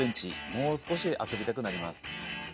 もう少し遊びたくなります。